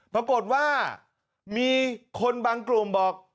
ปรากฏว่ามีคนบางกลุ่มบอก